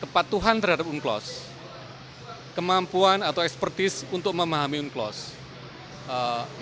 kepatuhan terhadap unclosed kemampuan atau expertise untuk memahami unclosed